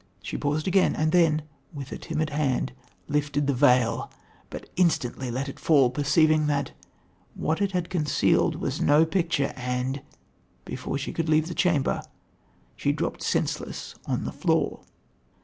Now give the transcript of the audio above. She paused again and then, with a timid hand, lifted the veil, but instantly let it fall perceiving that, what it had concealed was no picture and, before she could leave the chamber, she dropped senseless on the floor."